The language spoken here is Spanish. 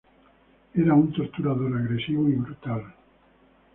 Era un torturador agresivo y brutal.